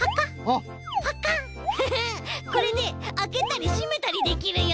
フフッこれであけたりしめたりできるよ！